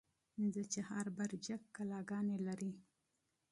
د چهار برجک کلاګانې لري